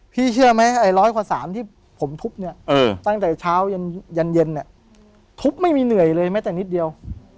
เชื่อไหมไอ้ร้อยกว่า๓ที่ผมทุบเนี่ยตั้งแต่เช้ายันเย็นเนี่ยทุบไม่มีเหนื่อยเลยแม้แต่นิดเดียว